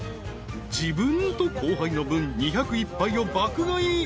［自分と後輩の分２０１杯を爆買い。